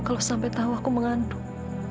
kalau sampai tahu aku mengandung